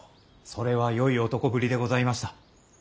それはよい男ぶりでございました。